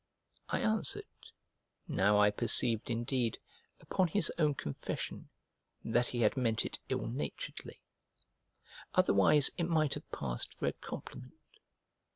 I answered, now I perceived indeed, upon his own confession, that he had meant it ill naturedly; otherwise it might have passed for a compliment.